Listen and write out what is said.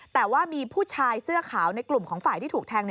แต่ว่ามีผู้ชายเสื้อขาวในกลุ่มของฝ่ายที่ถูกแทง